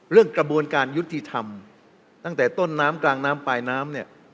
กระบวนการยุติธรรมตั้งแต่ต้นน้ำกลางน้ำปลายน้ำเนี่ย